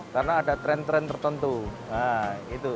karena ada tren tren tertentu